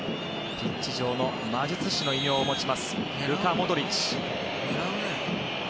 ピッチ上の魔術師の異名を持つルカ・モドリッチ。